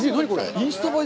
インスタ映え